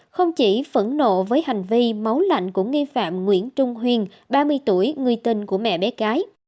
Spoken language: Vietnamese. không chỉ phẫn nộ với hành vi máu lạnh của nghi phạm nguyễn trung huyên ba mươi tuổi người tình của mẹ bé gái